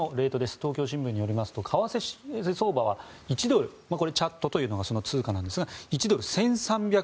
東京新聞によりますと為替相場はチャットというのが通貨ですが１ドル＝１３００